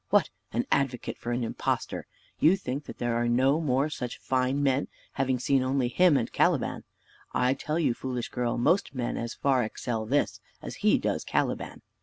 What! an advocate for an impostor! You think there are no more such fine men, having seen only him and Caliban. I tell you, foolish girl, most men as far excel this, as he does Caliban."